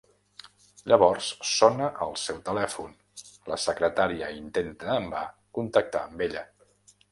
Llavors, sona el seu telèfon, la secretària intenta en va contactar amb ella.